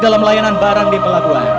dalam layanan barang di pelabuhan